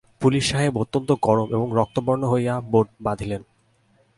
Police সাহেব অত্যন্ত গরম এবং রক্তবর্ণ হইয়া বোট বাঁধিলেন।